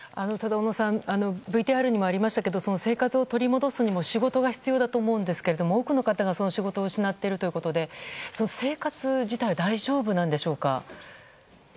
ＶＴＲにもありましたけど生活を取り戻すのにも仕事が必要だと思うんですが多くの方が仕事を失っているということで生活自体は大丈夫なんでしょうか。